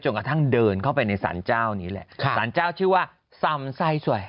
กระทั่งเดินเข้าไปในสารเจ้านี้แหละสารเจ้าชื่อว่าซำไส้สวย